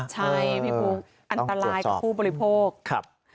ใช่พี่บุ๊คอันตรายกับผู้บริโภค